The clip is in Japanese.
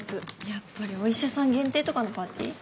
やっぱりお医者さん限定とかのパーティー？